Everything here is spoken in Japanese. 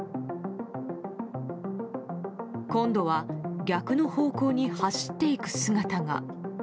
今度は逆の方向に走っていく姿が。